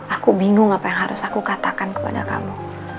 aku bingung apa yang harus aku katakan kepada kamu